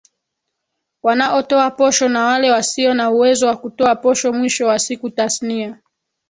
wanaotoa posho na wale wasio na uwezo wa kutoa posho Mwisho wa siku tasnia